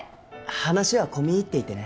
話は込み入っていてね。